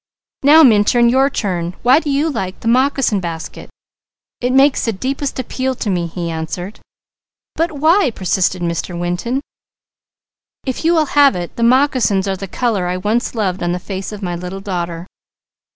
"Now Minturn, your turn. Why do you like the moccasin basket?" "It makes the deepest appeal to me," he answered. "But why?" persisted Mr. Winton. "If you will have it the moccasins are the colour I once loved on the face of my little daughter."